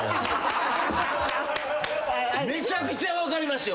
めちゃくちゃ分かりますよ。